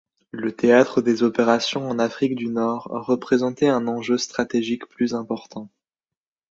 Le théâtre des opérations en Afrique du Nord représentait un enjeu stratégique plus important.